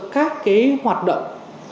các cái hoạt động